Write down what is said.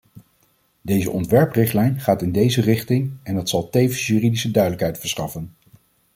Deze ontwerprichtlijn gaat in deze richting, en het zal tevens juridische duidelijkheid verschaffen.